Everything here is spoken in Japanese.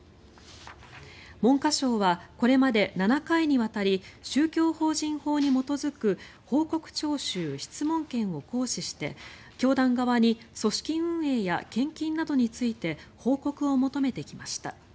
文科省はこれまで７回にわたり宗教法人法に基づく報告徴収・質問権を行使して教団側に組織運営や献金などについて報告を求めてきました。